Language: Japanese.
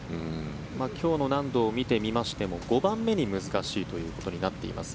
今日の難度を見てみましても５番目に難しいということになっています。